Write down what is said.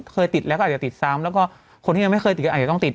เคยติดแล้วก็อาจจะติดซ้ำแล้วก็คนที่ยังไม่เคยติดก็อาจจะต้องติด